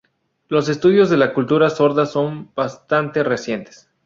Los estudios de la cultura sorda son bastante recientes.